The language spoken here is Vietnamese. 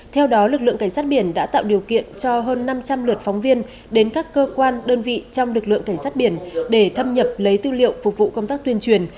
theo đó lực lượng cảnh sát biển đã tạo điều kiện cho hơn năm trăm linh lượt phóng viên đến các cơ quan đơn vị trong lực lượng cảnh sát biển để thâm nhập lấy tư liệu phục vụ công tác tuyên truyền